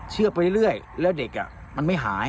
เชื่อไปเรื่อยแล้วเด็กมันไม่หาย